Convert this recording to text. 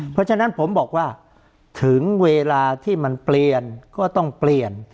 เพราะฉะนั้นผมบอกว่าถึงเวลาที่มันเปลี่ยนก็ต้องเปลี่ยน